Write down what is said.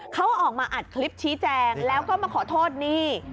เขาออกมาอัดคลิปชี้แจงแล้วก็มาขอโทษหนี้